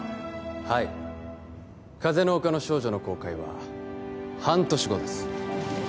はい「風の丘の少女」の公開は半年後です・